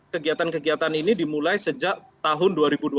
kegiatan kegiatan ini dimulai sejak tahun dua ribu dua puluh